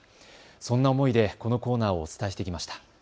そんな思いでこのコーナーをお伝えしてきました。